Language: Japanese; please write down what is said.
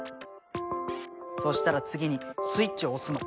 そしたら次にスイッチを押すの。